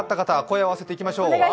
声を合わせていきましょう。